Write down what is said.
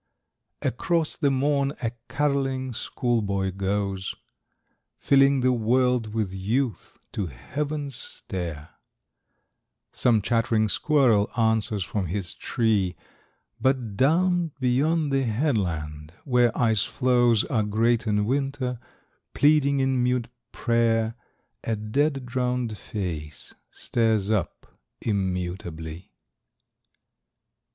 Across the morn a carolling school boy goes, Filling the world with youth to heaven's stair; Some chattering squirrel answers from his tree; But down beyond the headland, where ice floes Are great in winter, pleading in mute prayer, A dead, drowned face stares up immutably.